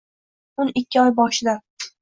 O‘n ikki oy boshidan